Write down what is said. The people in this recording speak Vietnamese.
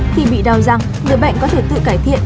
khi bị đau rằng người bệnh có thể tự cải thiện